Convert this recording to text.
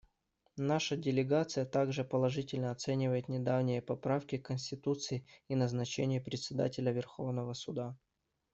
Наша делегация также положительно оценивает недавние поправки к Конституции и назначение Председателя Верховного суда.